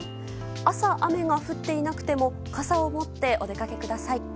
朝、雨が降っていなくても傘を持ってお出かけください。